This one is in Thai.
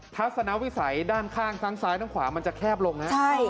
ทัศนวิสัยด้านข้างทั้งซ้ายทั้งขวามันจะแคบลงนะ